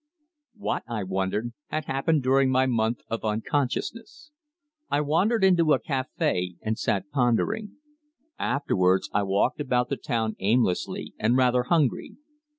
What, I wondered, had happened during my month of unconsciousness? I wandered into a café and sat pondering. Afterwards I walked about the town aimlessly and rather hungry.